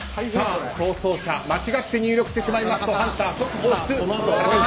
逃走者は間違って入力してしまうとハンター即放出。